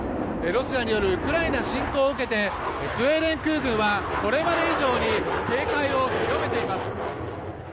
ロシアによるウクライナ侵攻を受けてスウェーデン空軍はこれまで以上に警戒を強めています。